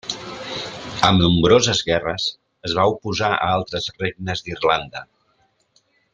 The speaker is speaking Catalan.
Amb nombroses guerres, es va oposar a altres regnes d'Irlanda.